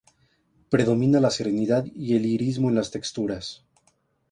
Predomina la serenidad y el lirismo en las texturas.